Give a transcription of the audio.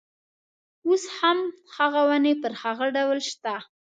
اوس هم هغه ونې پر هغه ډول شته.